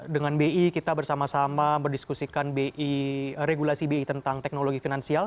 dengan bi kita bersama sama mendiskusikan bi regulasi bi tentang teknologi finansial